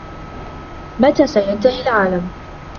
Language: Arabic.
متى سينتهي العالم ؟